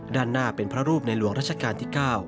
ด้านหน้าเป็นพระรูปในหลวงราชการที่๙